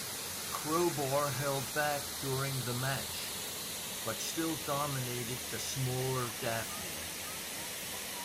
Crowbar held back during the match, but still dominated the smaller Daffney.